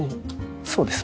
そうです